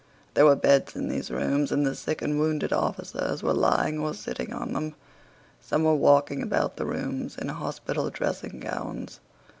There were beds in these rooms and the sick and wounded officers were lying or sitting on them. Some were walking about the rooms in hospital dressing gowns.